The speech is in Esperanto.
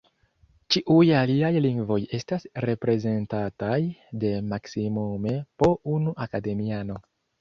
Ĉiuj aliaj lingvoj estas reprezentataj de maksimume po unu akademiano.